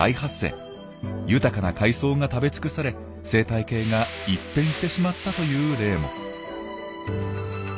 豊かな海藻が食べ尽くされ生態系が一変してしまったという例も。